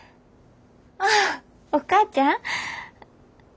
ああお母ちゃん？